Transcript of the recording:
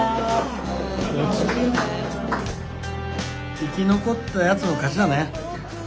生き残ったやつの勝ちだね。